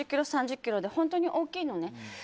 ３０ｋｇ、３０ｋｇで本当に大きいのね。